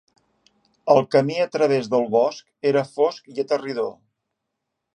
El camí a través del bosc era fosc i aterridor.